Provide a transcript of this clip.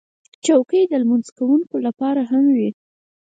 چوکۍ د لمونځ کوونکو لپاره هم وي.